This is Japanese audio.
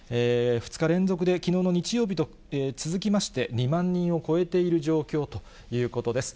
２日連続で、きのうの日曜日と続きまして、２万人を超えている状況ということです。